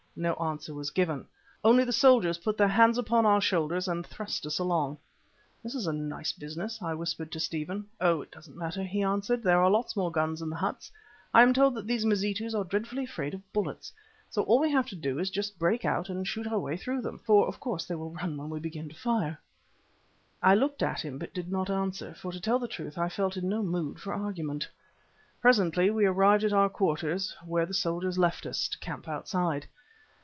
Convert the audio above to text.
No answer was given; only the soldiers put their hands upon our shoulders and thrust us along. "This is a nice business," I whispered to Stephen. "Oh! it doesn't matter," he answered. "There are lots more guns in the huts. I am told that these Mazitus are dreadfully afraid of bullets. So all we have to do is just to break out and shoot our way through them, for of course they will run when we begin to fire." I looked at him but did not answer, for to tell the truth I felt in no mood for argument. Presently we arrived at our quarters, where the soldiers left us, to camp outside.